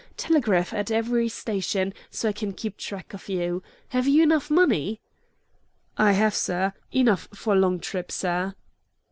Telegraph at every station, so I can keep track of you. Have you enough money?" "I have, sir enough for a long trip, sir."